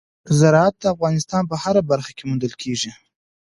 زراعت د افغانستان په هره برخه کې موندل کېږي.